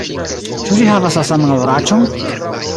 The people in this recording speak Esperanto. - Ĉu ĝi havas la saman odoraĉon?